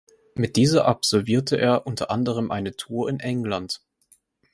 Mit dieser absolvierte er unter anderem eine Tour in England.